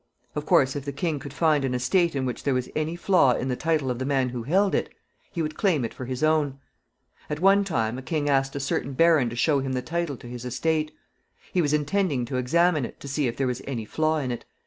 Of course, if the king could find an estate in which there was any flaw in the title of the man who held it, he would claim it for his own. At one time a king asked a certain baron to show him the title to his estate. He was intending to examine it, to see if there was any flaw in it.